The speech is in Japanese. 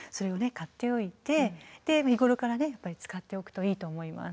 買っておいてで日頃からね使っておくといいと思います。